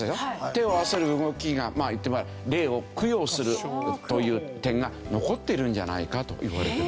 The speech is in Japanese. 手を合わせる動きがいってみれば霊を供養するという点が残ってるんじゃないかといわれてます。